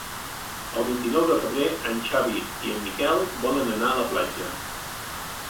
El vint-i-nou de febrer en Xavi i en Miquel volen anar a la platja.